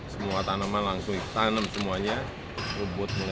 semua tanaman langsung